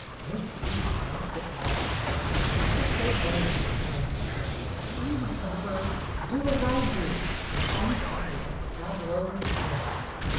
Miss Leet knocked at once, but not before Betty had time to say, " Eavesdropper — do as I HER FIRST RECEPTION 115 do!" and instantly a tableau was formed.